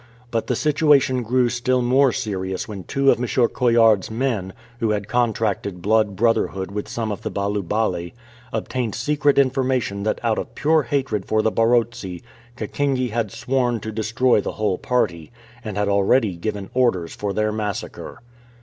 But the situation grew still more serious when two of M. Coillard's men, who had contracted blood brotherhood with some of the Balubale, obtained secret information that out of pure hatred for the Barotse Kakenge had sworn to destroy the whole party, and had already given orders for their massacre.